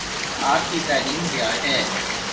آپ کی تعلیم کیا ہے ؟